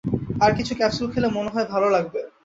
আর কিছু ক্যাপসুল খেলে মনে হয় ভালো লাগবে।